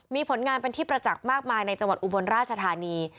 มีผลงานเป็นที่ประจักษ์มากมายในจังหวัดอุบลราชธานี